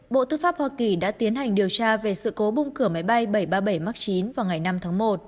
bộ tư pháp hoa kỳ đã tiến hành điều tra về sự cố bung cửa máy bay bảy trăm ba mươi bảy max chín vào ngày năm tháng một